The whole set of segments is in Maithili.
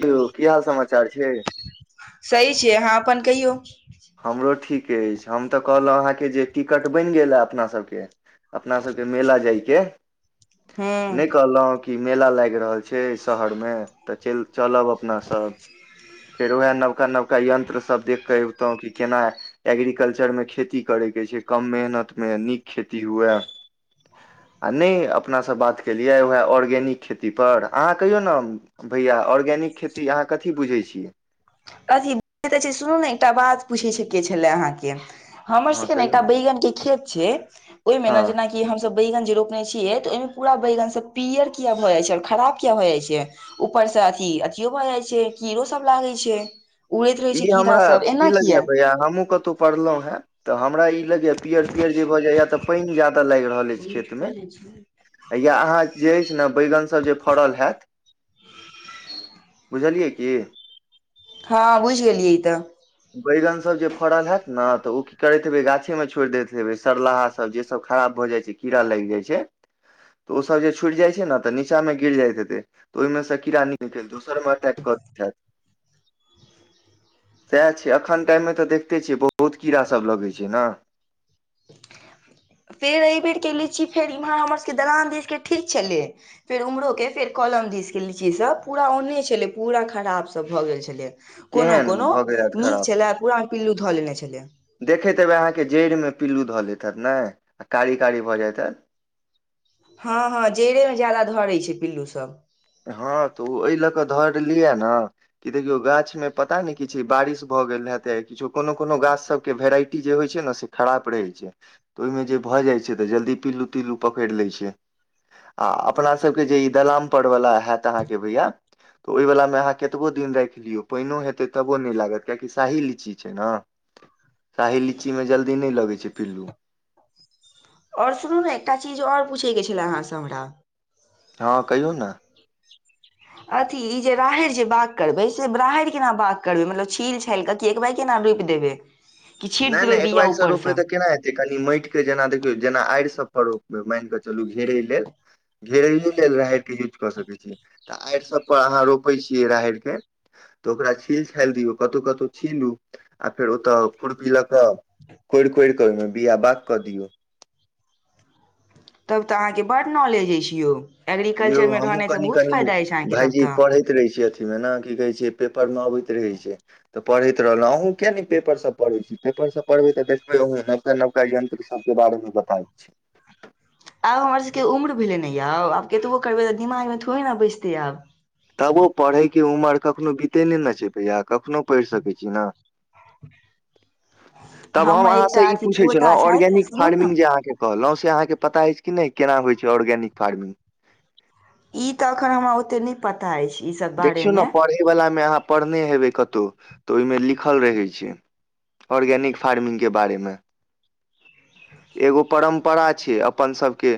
कौ यौ की हाल समाचार छै। सही छियै अहाँ अपन कहियौ। हमरो ठीक ऐछ हम तऽ कहलो अहाँकेँ जे टिकट बैन गेल अ अपना सभ केँ अपना सब केँ मेला जाय केँ [inaudible] नै हूँ कहलौ कि मेला लाइग रहल छै। छै शहर में तऽ चै चलब अपना सब फेर वहै नवका नवका यंत्र सब देख कऽ आइवतौ कि केना एग्रीकल्चर में खेती करै केँ छै कम मेहनत में नीक खेती हुए आ नै अपना संब बात केलियै वहै ऑर्गेनिक खेती पर अहाँ कहियौ न भैया ऑर्गेनिक खेती अहाँ कथी बुझैत छियै। कथी सुनू ने एकटा बात पूछै छै केँ छलै अहाँकेँ हमर सब अहाँ केँ ने कहियौ एकटा बैगन केँ खेत छै ओइमे न हँ जेना कि कि हम सब बैंगन जे रोपने छियै तऽ ओइमें पूरा बैंगन से पियर किया हो जाइ छै और खराब किया हो जाइ छै। ऊपर स अथी अथियो भऽ जाइ छै कीड़ो सभ लागै छै। उड़ैत रहै छै ई हमरा कीड़ा सब की एना लगया किया दया हमहुँ कतहु पढ़लु है तऽ हमरा ई लगैयए पियर पियर जे भऽ जाइए तऽ पाइन ज्यादा लाइग रहल ऐछ खेत में या अहाँ जे ऐछ न बैगन सभ जे फड़ल हैत। बुझलियै की। हँ बुझ गेलियै तऽ। बैगन सब जे फड़ल हैत न तऽ ओ की करैत हेबै गाछे में छोड़ि दैत हेबै। सरलाहा सब जे सब खराब भऽ जाइ छै कीड़ा लइग जाइ छै। तऽ ओ सभ जे छुट जाइ छै न तऽ नीचा म गिर जाइत हेतै। तऽ ओइमें से कीड़ा निकैल कऽ एक दोसर मऽ अटैक कऽ दैत हैत सेह छै एखन टाइम में तऽ देखते छियै बहुत कीड़ा सभ लगैत छै न फेर एहिबेर केँ लीची फेर इम्हर हमर सभ दलान दिस ठीक छलै। फेर उम्हरो केँ फेर कलम दिस कऽ लीची सब पूर ओहने छलै पूरा खराब सभ भऽ गेल छलै। कोनो केहन कोनो भऽ गेल हैत नीक खराब छलै पुरा में पिल्लु धल लेने छलै देखैत हेबे अहाँकेँ जैड़ में पिल्लू धऽ लेत नै आ कारी कारी भऽ जैत हैत हँ हँ जड़े में ज्यादा धरै छै पिल्लू सब हँ तऽ ओ अइ लऽ कऽ धर लियै न कि देखियौ गाछ में पता नै किछ बारिश भऽ गेल हेतै किछो कोनो कोनो गाछ सभ केँ भेराइटी टी जे होइ छै ने से खराब रहै छै तऽ ओइमे जे भऽ जाइत छै तऽ जल्दी पिल्लू तिल्लू पकड़ि लैत छै। आ अपना सभ कऽ जे ई दलाम पर वला होत अहाँ केँ भैया। तऽ ओइ वला में अहाँ कतबो दिन राइख लियौ पाइनोओ हेतै तबो नै लागत कियकि शाही लीची छै न शाही लीचीमे जल्दी नहि लगैत छै पिल्लू। आओर सुनू ने एकटा चीज आओर पूछयके छल। अहाँसँ हमरा हँ कहियौ न अथी ई जे राहरि जे बाग करबै से राहरि केना बाग करबै मतलब छील हेलक किएक एकबा केना रोपि देबै कि छीट नहि देबै नहि एक बिया एक सए रुपै ऊपरसँ त केना हेतै कनि माटिक के जेना देखियौ जेना आड़ि सब पर रोपबै मान कऽ चलू घेरै लेल घेरैे लेल राहैर के यूज कऽ सकैत छियै तऽ आड़ि सब पर अहाँ रोपे छियै राहैर के तऽ ओकरा छील छालि दियौ कतहु कतहु छीलू आ फेर ओतऽ खुरपी ल के कोड़ि कोरि कऽ ओहिमें बिया बाग कऽ दियऔ तब तऽ अहाँके बड नॉलेज अछि यौ यौ एग्रीकल्चर मे हमहूँ रहनासँ कनि बहुत कनि फायदा अछि अहाँके तब भायजी तऽ पढ़ैत रहै छै अथी मे न‌ की कहै छै पेपर मे अबैत रहै छै तऽ पढ़ैत रहलहुँ अहुँ किया नहि पेपरसभ पढ़ैत छी पेपरसभ पढ़बै तऽ देखबै अहूँ नवका नवका यन्त्रसभ के बारे मे बताबै छै आब हमर सभके उम्र भेलै ने यौव आब केतबो करबै तऽ दिमागमे थोड़े ने बैसतै आब तबो पढ़यके उमर कखनो बीते नहि न छै भैया कखनो पढ़ि सकै छी न तब हम हमर एकटा अहाँसँ ई अथी पूछै पोता छलहुँ छथि ऑर्गेनिक सुनू ने फार्मिंग जे अहाँके कहलहुँं से अहाँके पता अछि कि नहि कि केना होइ छै ऑर्गेनिक फार्मिंग ई त अखन हमरा ओते पता अइछ ई सब बारे देखियौ ने मे पढ़ैवलामे अहाँ पढ़ने हेबै कतहु तऽ ओहिमे लिखल रहैत छै ऑर्गेनिक फार्मिंग के बारेमे एगो परम्परा छै अपन सबके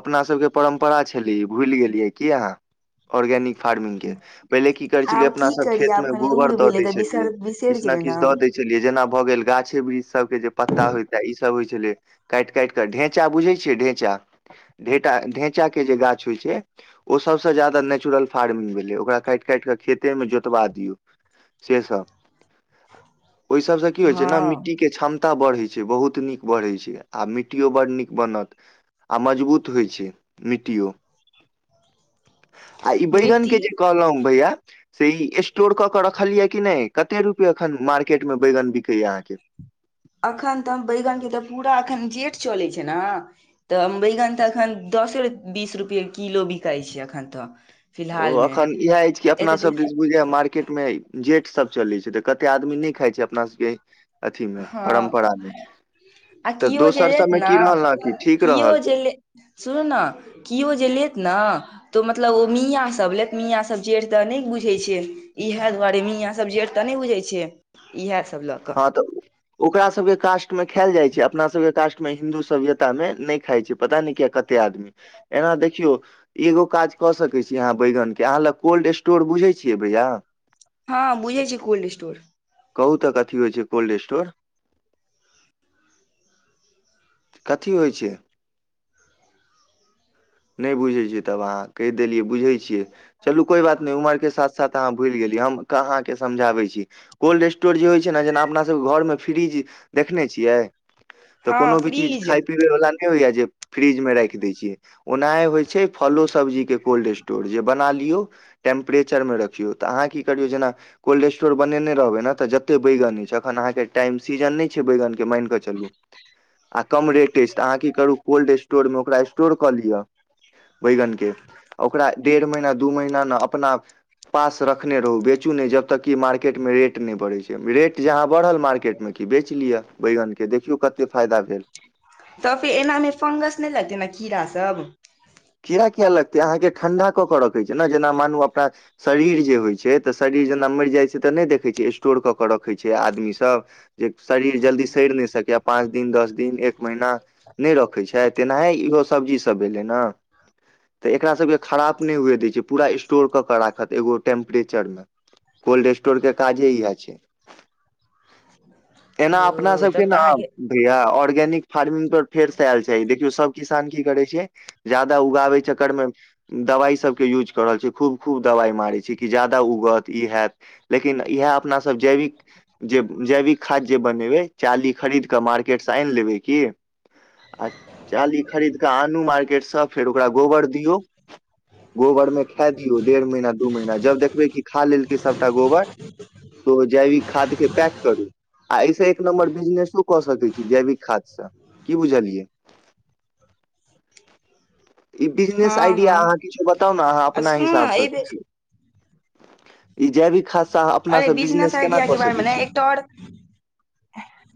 अपना सबके परम्परा छली ई भूलि गेलियै की अहाँ ऑर्गेनिक फार्मिंग के पहिले की करे छलिये आब अपना की सब करियै खेत आब में कनि गोबर उम्र द भेलै दय तऽ बिसर छलिय बिसरि किछु न जेबै ने किछ द दय छलियै छलियै जेना भऽ गेल गाछे वृक्ष सब के जे पत्ता होयताे इ सब होइ छले काटि काटि कऽ ढेचा बुझैत छियै ढेचा ढे ढेचाके जे गाछ होइ छै ओ सबसँ ज्यादा नेचुरल फार्मिंग भेलै ओकरा काटि काटि कऽ खेतेमे जोतवा दियौ से सब ओहिसबसँ की होइत छै ने हँ मिट्टीके क्षमता बढ़ैत छै बहुत नीक बढ़ैत छै आ मिट्टियो बड्ड नीक बनत आ मजबूत होइ छै मिट्टीयो आ ई बैगन मिट्टी के जे कहलौ हम भैया से ई स्टोर क के रखल यै कि नहि कते रुपे अखन मार्केट में बैगन बिकै या अहाँ के एखन तऽ बैगन के तऽ पूरा एखन जेठ चलै छै न तऽ बैगन तऽ एखन दसे बीस रुपए किलो बिकाइ छै एखन तऽ ओ फिलहाल मे अखन इएह अछि कि अपना एते दे- सब दि बुझै मार्केट मे जेट सब चले छै तऽ कते आदमी नहि खाय छै अपना सबके अथी मे हँ परम्परा मे आ तऽ किओ जे दोसर लेत सभमे ने की रहल न कि ठीक किओ रहल जे ले सुनू न किओ जे लेत न तऽ मतलब ओ मियाँसभ लेेत मियाससभ जेठ तऽ नहि बुझैत छै इएहे दुआरे मे मियां सब जेठ तऽ नहि बुझै छै इहा सब ल हाॅं तऽ ऊ ओकरा सबे कास्ट में खैयल जाइ छै अपना सबे के कास्ट मे में हिन्दू सभ्यता में नै खाइ छै पता नहि किया कते आदमी एना देखियौ। एगो काज कऽ सकै छी अहाँ बैगने के अहाँ ला कोल्ड स्टोर बुझै छियै भैया हँ बुझै छी कोल्ड स्टोर कहू तक कथी होइ छै कोल्ड स्टोर कथी होइ छै नय बुझै छियै तब अहाँ कहि देलियै बुझै छियै चलू कोई बात नय उमर के साथ साथ तैं आ भूइल गेलिय हम अहाँ के समझाबै छी कोल्ड स्टोर जे होइ छै ना जेना अपना सबके घरमे फ्रिज देखने छियै तऽ हँ कोनो भी चीज फ्रिज खाय पीबै वला न नै होया जे फ्रिज में राइख दै छियै ओनैह होइ छै फलो सब्जी के कोल्ड स्टोर जे बना लियौ टेम्परेचर में रखियो त आहाॅं कि करियो जेना कोल्ड स्टोर बनेने रहबै न तऽ जते बैगन अछि अखन अहाँके टाइम सीजन नै छै बैगनके माइन कऽ चलू आ कम रेट ऐछ त अहाँ कि करु कोल्ड स्टोरम ओकरा स्टोर कऽ लिय बैगन के ओकरा डेढ़ महिना दु महीना न अपना पास रखने रहु बेचु नै जब तक की मार्केट में रेट नै बढ़ै छै रेट जहाँ बढ़ल मार्केट में कि बेच लिअ बैगन के देखियो कते फायदा भेल तऽ फेर ऐनामें फौंगस नै लागते ने कीड़ा सब कीड़ा किया लगतै अहाँके ठण्डा कऽ कऽ रखै छै ना जेना मानू अपना शरीर जे होइ छै तऽ शरीर जेना मैर जाय छै तऽ नै देखै छै स्टोर कऽ कऽ रखै छै आदमी सब जे शरीर जल्दी सैर नै सकै पाँच दिन दस दिन एक महीना नै रखै छै तेनाय इहो सब्जी सभ भेलै ना तऽ एकरा सभके खराप नै हुए दै छै पूरा स्टोर कऽ कऽ राखत एगो टेम्प्रेचर में कोल्ड स्टोर के काजे इहै आ छै एना ओ अपना सबके तब ना तऽ अहाँके बिया ऑर्गेनिक फार्मिंग पर फेर स आयल छै देखियौ सब किसान की करै छिय जादा उगाबै चक्कर में दबाइ सभके युज क रहल छै खूब खूब दबाय मारै छै कि ज्यादा उगत ई हैत लेकिन इहै अपना सब जैविक जे जैविक खाद जे बनेवै चाली खरीद क मार्केट सॅं आइन लेबै कि आ चाली खरीद कऽ आनु मार्केट सँ फेर ओकरा गोबर दियौ गोबर में खैय दियो डेर महीना दु महीना जब देखबै कि खा लेलकै सभटा गोबर ओ जैविक खाद के पैक करूं आय से एक नम्बर बिजनेसो कऽ सकै छी, जैविक खादसँ की बुझलियै ई बिजनेस हँ आइडिया हँ अहाँ किछ बताउ न अहाँ आ अपना सुनू ने हिसाबसँ एहि बेर की ई जैविक खाद सॅं आहाँ अपना सँ बिजनेस केना कऽ सकै छी र्ट [inaudible]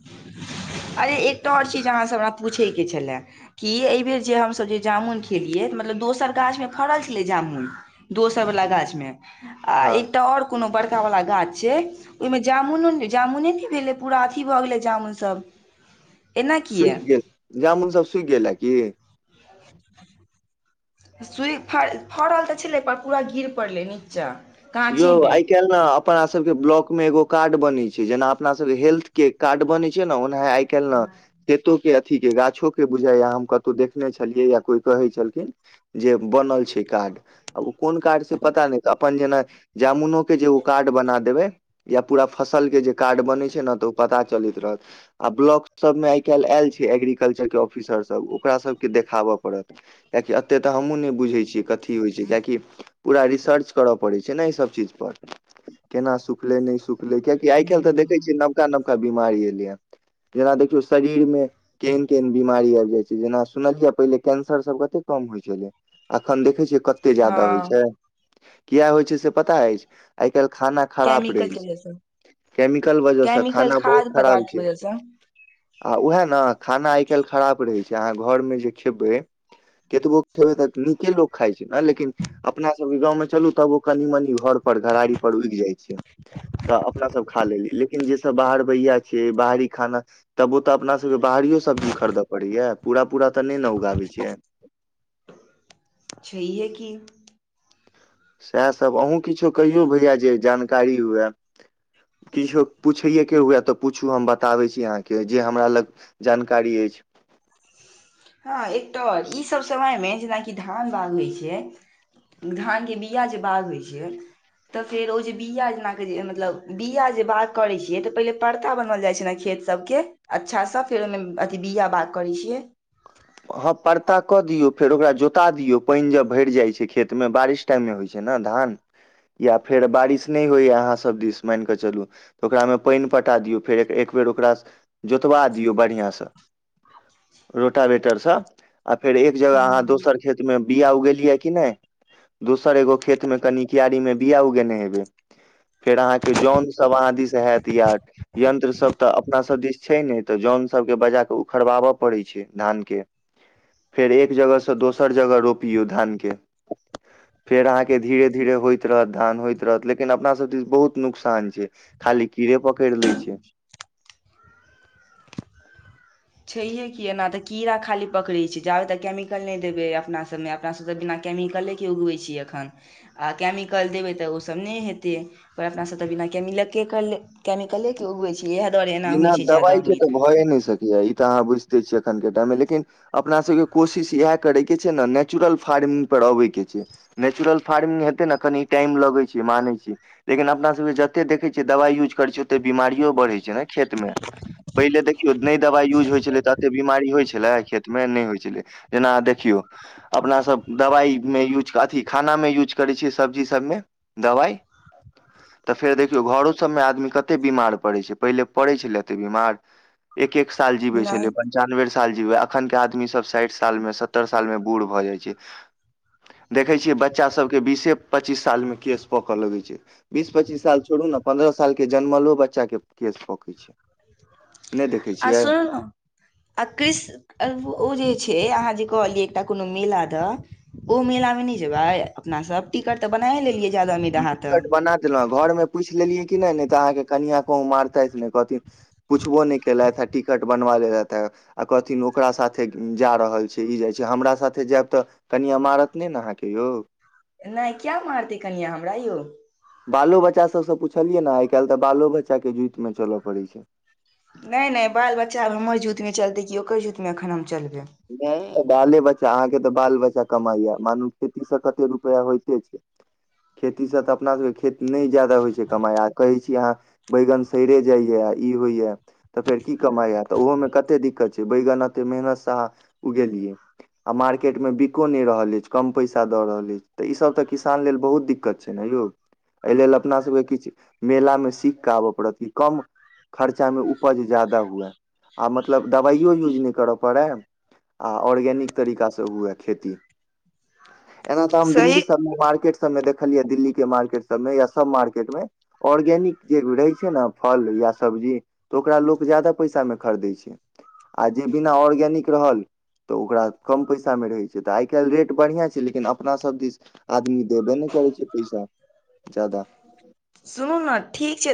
अरे एकटा और चीज अहाँ सॅं हमरा पूछै के छैलै कि एबेर जे हमसभ जे जामुन खेलियै मतलब दोसर गाछ में फड़ल छलै जामुन दोसर वला गाछ में आ हँ एकटा और कोनो बर पकावला गाछ छै ओहिमे जामुनो ने जामुने नै भेलै पूरा अथी भऽ गेलै जामुनसब सुइख गेल जामुन सब सुइख गेल रहै कि [inaudible] सुइखा फड़ल तऽ छेलै पर पूरा गिर पड़लै निचा यौ आय काइल न अपना सभके ब्लॉक में एगो कार्ड बनै छै जेना अपनासब हेल्थ के कार्ड बनै छिय ना ओना आय काइल न खेतो के अथीके गाछोके बुझाय या हम कतौ देखने छलियै या कोई कहै छलखिन। जे बनल छै कार्ड आ ओ कोन कार्ड से पता नै त अपन जेना। जामुनोके जे ओ कार्ड बना देबै। या पूरा फसल के जे कार्ड बनैत छै ने तऽ ओ पता चलैत रहत। आ ब्लॉकसभमे आइ काल्हि आयल छै एग्रीकल्चर के ऑफिसरसभ ओकरा सभके देखाबय पड़त। किएकि एते तऽ हमहुँ ने बुझे छी कथी होय छै किएकि पूरा रिसर्च करय पड़ै छै। छेनै ई सब चीज पर केना सुखलै नै सुखलै किएकी आय काइल त हम्म, देखै छिय नव। नबका -नबका बीमारी एलैया जैना देखियौ शरीर में। केहन - केहन बीमारी आबि जाइत छै जेना सुनलियै पहिले कैंसरसब कते कम होय छलै। अखन देखे छियै कते ज्यादा होइत हँ छै किया होइत छै से पता अछि आय - काल्हि खाना। खराप केमिकलके रहै वजहसँ छै केमिकल वजह सॅं केमिकल खाना बहुत खाद्य खराब पदार्थके छियै। वजहसँ आ उएह न खाना आइ काल्हि खराब रहै छै अहाँ घरेमे जे खेबै। केतबो खेबै तऽ नीके लोग खाइ छै ने लेकिन अपना सबक गाँव मै चलू तबो। कनि मनी घरे पर घरारी पर उगि जाय छै। तऽ अपना सब खा लेली लेकिन जे सब बाहर भैया छियै बाहरी खाना। तबो तऽ अपनासबके बाहरी सब्जी खरीद पड़ै या पूरा पूरा तऽ नहि ने उगाबै छियै। छहिऐ की। सएहसभ अहूँ किछु कहियौ भैया जे जानकारी हुए। किछो पुछैएके हुए तऽ पुछू हम बताबै छी अहाँके जे हमरा लग। जानकारी अछि। हँ एकटा और इसभ समयमे जेनाकि धान बाग होइत छै। धानके बीया जे बाग होइ छिऐ तऽ फेर ओ जे बीया जेनाक जे मतलब बीया जे बात करै छियै तऽ पहिले परता बनवल जाइत छल ने खेत। सबके अच्छाँ फेर ओहिमे अथी बिया बाग करै छियै। हँ परता कऽ दियौ फेर ओकरा जोता दियौ पानि जब भरि जाइत छै खेतमे बारिश। टाइम मे होइ छै नै धान या फेर बारिश नहि होइया अहाँ सब दिस मानिकऽ चलू। तऽ ओकरामे पानि पटा दियौ फेर एक बेर ओकरा जोतवा दियौ बढ़िआँसँ। टा वेटरसँ आ फेर एक जगह अहाँ हूँ। दोसर खेत मे बीया उगेलियै कि नहि। दोसर एगो खेतमे कनि क्यारी मे बीया उगेने हेबै। फेर अहाँके जौन सब आ दि से होयत या। यंत्र सब तऽ अपना सब दिस छै ने तऽ जौन सबके बजा कऽ उखड़बाबय पड़ैत छै। धान के फेर एक जगह से दोसर जगह रोपियौ धान के। फेर अहाँके धीरे धीरे होइत रहत धान होइत रहत लेकिन अपना सब दिस बहुत नुकसान छै। खाली कीड़े पकड़ि लै छै। [inaudible] छैहे कि ऐना तऽ कीड़ा खाली पकड़ै छै जाबे तऽ केमिकल नहि देबै अपना सभमे। अपना सबके तऽ बिना केमिकलेके उगबै छि एखन आ कमिकल देबै तऽ ओसभ नहि हेतै। पर अपनासँ तऽ बिना कमिक कैमिकलेके उगैत छै। ईयाह दुआारे। बिना दवाइ के तऽ भए नहि सकैया ई तऽ अहाँ बुझिते छियै एखन के टाईम मे लेकिन। अपनासभके कोशिश इएह करयके छै न नेचुरल फार्मिंग पर अबयके छै। नेचुरल फार्मिंग हेतै न कनि टाइम लगै छै मानै छी। लेकिन अपना सबके जतै देखै छियै दवाई यूज करैत छियै ओते बीमारी। बढ़ै छै ने खेत मे पहिले देखियौ नहि दवाइ यूज होइ छलै त एते बीमारी। होइ छलै खेत मे नहि होइ छलै जेना देखियौं। अपनासभ दवाई मे यूज अथी खाना मे यूज करै छियै सब्जी सभमे दवाई ह। तऽ फेर देखियौ घरो सभ मे आदमी कते बीमार पड़ै छै पहिले पड़ै छलै एते बीमार। एक एक साल जीबै नहि छले अपन। पञचानबे साल जीबै अखन के आदमी सभ साठि साल मे सत्तर साल मे बूढ़ भऽ जाई छै। देखैत छियै बच्चा सभके बीसे पच्चीस साल मे केस पकऽ लगैत छै। बीस पच्चीस साल छोड़ू ने पन्दद्रह साल के जनमलो बच्चा के केश कैत छै। नै देखै छियै? आसल न आ कृ ओ जे छै अहाँ जे कहलियै एकटा कोनो मेला दऽ ओ मेला मे नहि छै भाय अपना सभ टिकट तऽ बना लेलियै। ज्यादा उम्मीद अहाँ तऽ टिकट बना देलहुँ घरमे पुछि लेलियै कि नहि नहि तऽ अहाँकेँ कनिआ कहूँ मारता नहि कहथिन पुछबो नहि केलथि हा टिकट बनवा लेलथि ह। आ कहथिन ओकरा साथे जा रहल छै ई जाई छै हमरा साथे जायब तऽ। कनि अमारत नहि ने अहाँकेँ यौ नहि क्या मारतै कनिआँ हमरा य बालो बच्चा सभसँ पूछलियै ने आई काल्हि तऽ बालो बच्चा के जुति मे चलय पड़ैत छै नहि नहि बाल बच्चा आब हमर जूतमे चलतै कि ओकर जूत मे एखन हम चलबै नहि बाले बच्चा अहाँकेँ तऽ बाल बच्चा कमाइया मानू खेती से कते रुपैआ होयइते खेतीसँ तऽ अपना सभके खेती नहि ज्यादा होई छै कमाई आ कहै छी अहाँ बैगन सरे जाइए ई होइया तऽ फेर कि कमाई तऽ ओहोमे कतेक दिक्कत छै बैगन एतेक मेहनत सहा उगेलियै आ मार्केट मे बिको नहि रहल अछि कम पैसा दऽ रहल अछि तऽ ईसभ तऽ किसान लेकऽ बहुत दिक्कत छै ने यौ एहि लेलऽ अपना सभके किछु मेलामे सीख कऽ आबय पड़त कि कम खर्चामे उपज ज्यादा हुआ मतलब दबाइो यूज नहि करय पड़य आ ऑर्गेनिक तरीका से हुए खेती एना तऽ हम दिल्ली सही सभमे मार्केट सभ मे देखलियै दिल्ली के मार्केट सभ मे या सभ मार्केट मे ऑर्गेनिक जे रहै छै ने फल यै सब्जी तऽ ओकरा लोक जदा पैसा मे खरीदै छै आ जे बिना ऑर्गेनिकऽ तऽ ओकरा कम पैसा मे रहै छै तऽ आई काल्हि रेट बढ़िआ छै लेकिन अपना सभ दिस आदमी देबे ने करै छै पैसा जदा सुनू ने ठीक छै।